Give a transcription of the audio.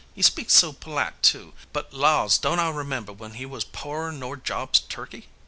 He speaks so polite, too. But laws! don't I remember when he was poarer nor Job's turkey?